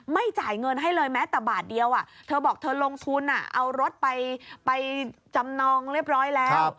ไม่จ่ายเงินให้เลยแม้แต่บาทเดียวเธอบอกเธอลงทุนเอารถไปจำนองเรียบร้อยแล้ว